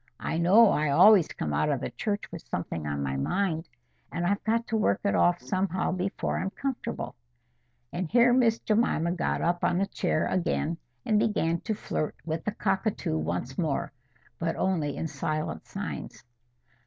I know I always come out of the church with something on my mind; and I've got to work it off somehow before I'm comfortable." And here Miss Jemima got up on the chair again, and began to flirt with the cockatoo once more, but only in silent signs.